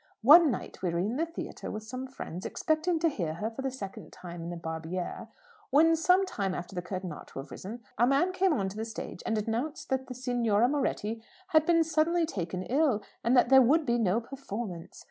One night we were in the theatre with some friends, expecting to hear her for the second time in the 'Barbiere,' when, some time after the curtain ought to have risen, a man came on to the stage, and announced that the Signora Moretti had been suddenly taken ill, and there would be no performance.